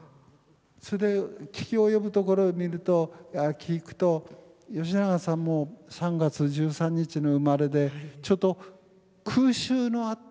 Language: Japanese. それで聞き及ぶところ聞くと吉永さんも３月１３日の生まれでちょうど空襲のあった。